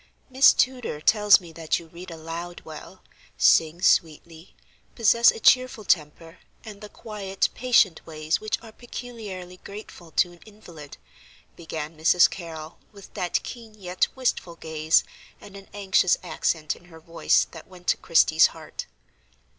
"Miss Tudor tells me that you read aloud well, sing sweetly, possess a cheerful temper, and the quiet, patient ways which are peculiarly grateful to an invalid," began Mrs. Carrol, with that keen yet wistful gaze, and an anxious accent in her voice that went to Christie's heart.